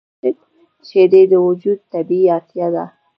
شیدې د وجود طبیعي اړتیا ده